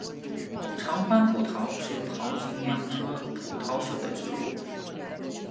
长花蒲桃是桃金娘科蒲桃属的植物。